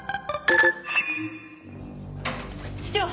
室長！